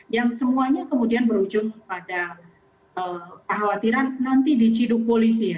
yang semuanya kemudian berujung pada kekhawatiran nanti diciduk polisi ya